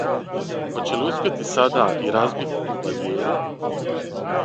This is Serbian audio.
Хоће ли успјети сада и разбити ту баријеру?